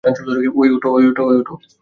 ওই, ওঠো!